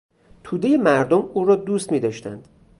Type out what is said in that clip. تودهی مردم او را دوست میداشتند.